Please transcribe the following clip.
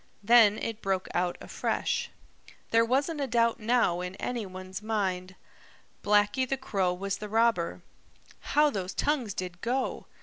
Then it broke out afresh. There wasn't a doubt now in any one's mind. Blacky the Crow was the robber. How those tongues did go!